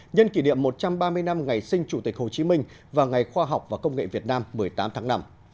nhân kỷ niệm một trăm ba mươi năm ngày sinh chủ tịch hồ chí minh và ngày khoa học và công nghệ việt nam một mươi tám tháng năm